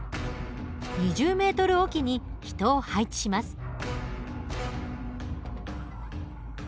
２０ｍ置きに人を配置します。